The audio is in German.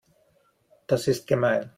Das ist gemein.